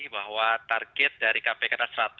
bahwa target dari kpk